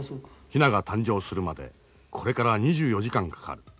ヒナが誕生するまでこれから２４時間かかる。